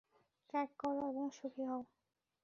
ত্যাগ কর এবং সুখী হও।